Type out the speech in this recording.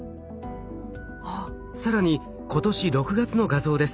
更に今年６月の画像です。